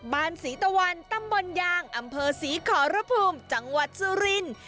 บ้านสีตะวันตำวนยางอำเภอสีขรพภูมิจังหวัดซูลิน